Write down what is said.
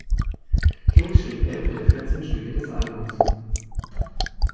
Cale schrieb elf der vierzehn Stücke des Albums.